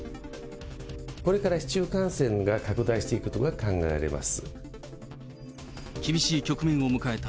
これから市中感染が拡大していくということが考えられます。